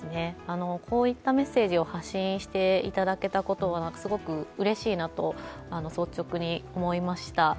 こういったメッセージを発信していただけたことはすごくうれしいなと、率直に思いました。